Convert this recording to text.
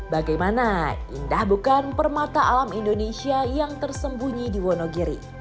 bagaimana indah bukan permata alam indonesia yang tersembunyi di wonogiri